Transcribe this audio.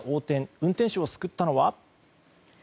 運転手を救ったのは。